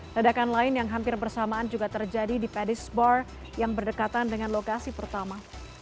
ledakan lain yang hampir bersamaan juga terjadi di paddy sbor yang berdekatan dengan lokasi pertama